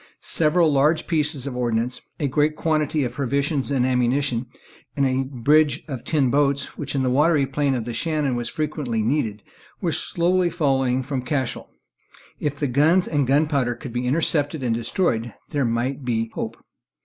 Several large pieces of ordnance, a great quantity of provisions and ammunition, and a bridge of tin boats, which in the watery plain of the Shannon was frequently needed, were slowly following from Cashel. If the guns and gunpowder could be intercepted and destroyed, there might be some hope.